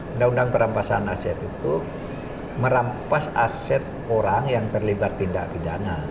undang undang perampasan aset itu merampas aset orang yang terlibat tindak pidana